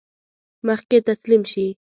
مخکې تسلیم شي.